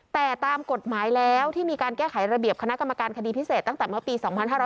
แต่ตามกฎหมายแล้วที่มีการแก้ไขระเบียบคณะกรรมการคดีพิเศษตั้งแต่เมื่อปี๒๕๕๙